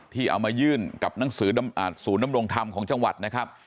ที่เอามายื่นกับหนังสือศูนย์ดำรงธรรมของจังหวัดนะครับ